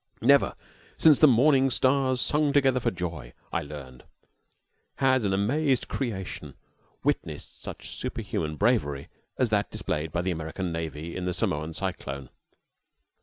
Never since the morning stars sung together for joy, I learned, had an amazed creation witnessed such superhuman bravery as that displayed by the American navy in the Samoa cyclone.